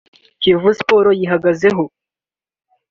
Kiyovu Sports yihagazeho